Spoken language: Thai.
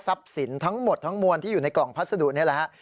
สินทั้งหมดทั้งมวลที่อยู่ในกล่องพัสดุนี่แหละฮะ